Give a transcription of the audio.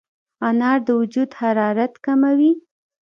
انار د وجود حرارت کموي.